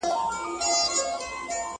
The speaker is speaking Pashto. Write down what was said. څه مطلب لري سړی نه په پوهېږي!